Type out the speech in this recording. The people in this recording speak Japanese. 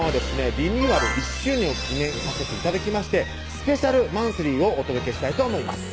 リニューアル１周年を記念させて頂きましてスペシャルマンスリーをお届けしたいと思います